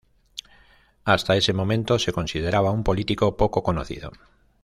Hasta ese momento se consideraba un político poco conocido.